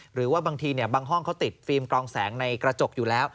หรือว่าบางทีบางห้องเขาติดฟิล์มกรองแสงในกระจกอยู่แล้ว